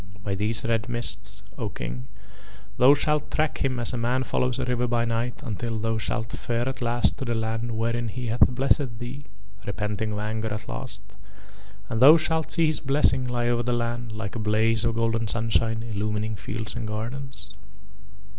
By these red mists, O King, thou shalt track him as a man follows a river by night until thou shalt fare at last to the land wherein he hath blessed thee (repenting of anger at last), and thou shalt see his blessing lie over the land like a blaze of golden sunshine illumining fields and gardens."